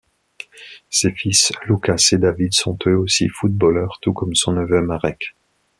Ses fils Lukáš et David sont eux aussi footballeurs, tout comme son neveu Marek.